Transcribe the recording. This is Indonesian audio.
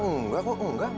enggak kok enggak